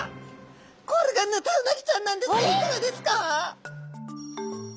これがヌタウナギちゃんなんですがいかがですか？